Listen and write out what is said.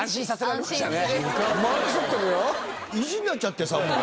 「意地になっちゃってさもう」。